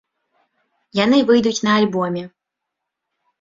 Яны выйдуць на альбоме.